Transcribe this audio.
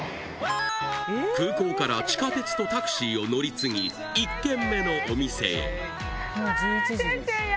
空港から地下鉄とタクシーを乗り継ぎ１軒目のお店へうわ謝謝や。